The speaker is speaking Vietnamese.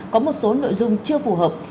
có một số nội dung chưa phù hợp